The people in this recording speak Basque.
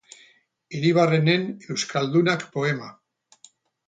Hiribarrenen Eskaldunak poema.